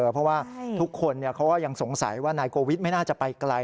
เพราะว่าทุกคนเขาก็ยังสงสัยว่านายโกวิทไม่น่าจะไปไกล